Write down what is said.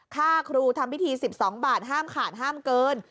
ค่าครูทำพิธี๑๒บาทห้ามขาดห้ามเกิน